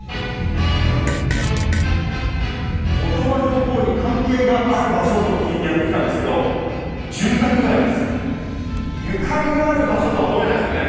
後鳥羽上皇に関係がある場所と聞いてやって来たんですけどゆかりがある場所とは思えないですよね。